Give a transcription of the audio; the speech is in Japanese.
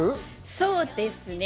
そうですね。